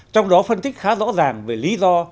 trong đó phân tích khá rõ ràng về lý do